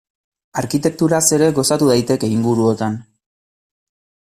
Arkitekturaz ere gozatu daiteke inguruotan.